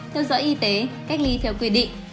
theo dõi y tế cách ly theo quy định